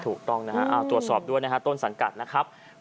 ถูกต้องนะฮะตรวจสอบด้วยนะฮะต้นสังกัดนะครับ